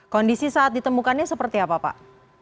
kondisi saat ditemukannya seperti apa pak